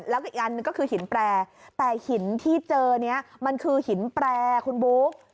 แล้วก็อีกอันหนึ่งก็คือหินแปรแต่หินที่เจอนี้มันคือหินแปรคุณบุ๊ค